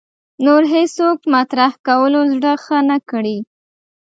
نور هېڅوک مطرح کولو زړه ښه نه کړي